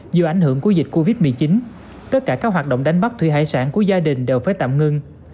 do ảnh hưởng của dịch covid một mươi chín tất cả các hoạt động đánh bắt thủy hải sản của gia đình đều phải tạm ngưng